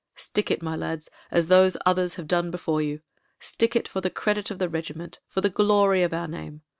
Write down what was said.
"Stick it, my lads, as those others have done before you. Stick it, for the credit of the regiment, for the glory of our name.